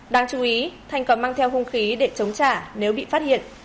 đáng chú ý thành còn mang theo hung khí để chống trả nếu bị phát hiện